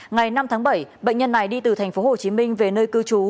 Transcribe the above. ngày năm tháng bảy bệnh nhân này đi từ thành phố hồ chí minh về nơi cư trú